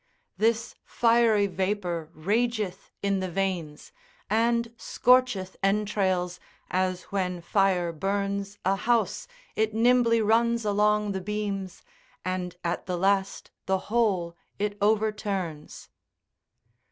This fiery vapour rageth in the veins, And scorcheth entrails, as when fire burns A house, it nimbly runs along the beams, And at the last the whole it overturns.